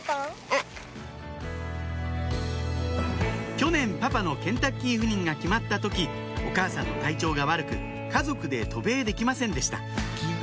去年パパのケンタッキー赴任が決まった時お母さんの体調が悪く家族で渡米できませんでした